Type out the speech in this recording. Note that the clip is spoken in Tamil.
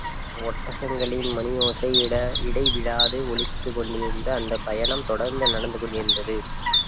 ஒட்டகங்களின் மணியோசை இடைவிடாது ஒலித்துக் கொண்டிருக்க அந்தப் பயணம் தொடர்ந்து நடந்துகொண்டிருந்தது.